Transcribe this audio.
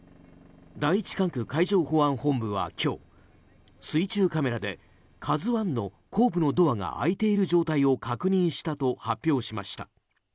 第１管区海上保安本部は今日水中カメラで「ＫＡＺＵ１」の後部のドアが開いている状態を確認したと発表しました。